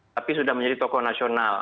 tapi sudah menjadi tokoh nasional